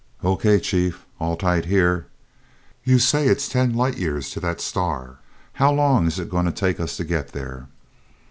"O. K., chief! All tight here. You say it's ten light years to that star. How long's it going to take us to get there?"